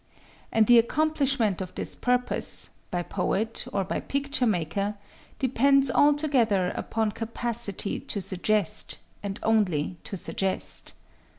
And the accomplishment of this purpose,—by poet or by picture maker,—depends altogether upon capacity to suggest, and only to suggest.